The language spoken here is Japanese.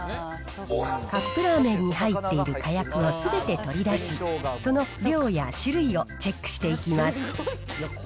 カップラーメンに入っているかやくをすべて取り出し、その量や種類をチェックしていきます。